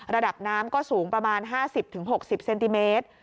ระดับน้ำก็สูงประมาณ๕๐๖๐เซนติเมตร